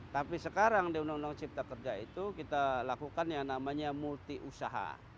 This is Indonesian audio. tapi sekarang di undang undang cipta kerja itu kita lakukan yang namanya multi usaha